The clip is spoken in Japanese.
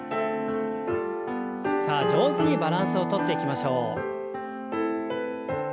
さあ上手にバランスをとっていきましょう。